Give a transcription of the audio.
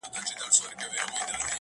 سیاه پوسي ده” ستا غمِستان دی”